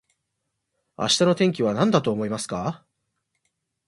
明日の天気はなんだと思いますか